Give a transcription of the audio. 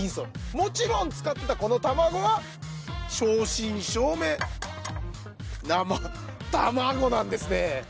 もちろん使ってたこの卵は正真正銘生卵なんですね。